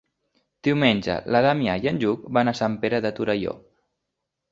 Diumenge na Damià i en Lluc van a Sant Pere de Torelló.